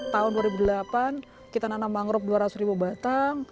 tahun dua ribu delapan kita nanam mangrove dua ratus ribu batang